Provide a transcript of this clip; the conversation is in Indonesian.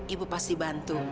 ibu pasti bantu